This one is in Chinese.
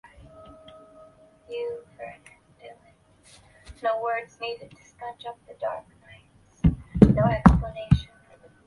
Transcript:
大苞滨藜为藜科滨藜属下的一个变种。